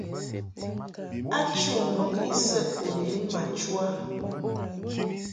A chû ŋgɔŋ isəʼ u lin ma chu a ?